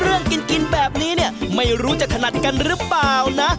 เรื่องกินกินแบบนี้เนี่ยมันจะขนัดหรือเปล่านะ